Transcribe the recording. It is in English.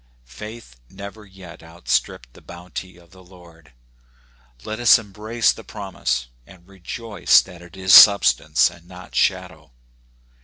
Faith never yet outstripped the bounty of the Lord. Let us embrace the prom ise, and rejoice that it is substance and not shadow.